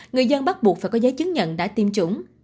người dân bắt buộc phải có giấy chứng nhận đã tiêm chủng